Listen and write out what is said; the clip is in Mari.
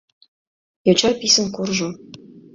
Йоча писын куржо.